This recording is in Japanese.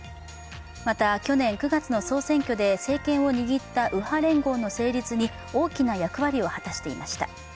また、去年９月の総選挙で、政権を握った右派連合の成立に大きな役割を果たしていました。